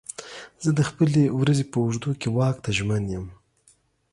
زه د خپلې ورځې په اوږدو کې واک ته ژمن یم.